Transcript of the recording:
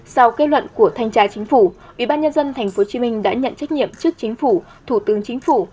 sau kết luận của thanh tra chính phủ ubnd tp hcm đã nhận trách nhiệm trước chính phủ thủ tướng chính phủ